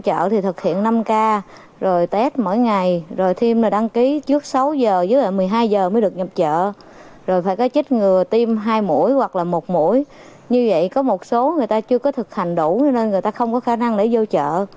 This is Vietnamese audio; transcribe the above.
chưa có thực hành đủ cho nên người ta không có khả năng để vô chợ